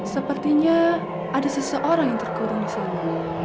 sepertinya ada seseorang yang terkurung di sana